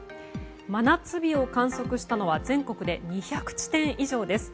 真夏日を観測したのは全国で２００地点以上です。